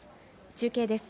中継です。